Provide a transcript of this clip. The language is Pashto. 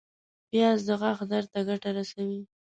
پیاز د غاښ درد ته ګټه کوي